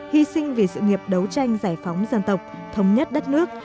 hy sinh vì sự nghiệp đấu tranh giải phóng dân tộc thống nhất đất nước